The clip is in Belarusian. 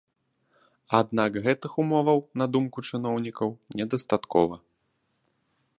Аднак гэтых умоваў, на думку чыноўнікаў, недастаткова.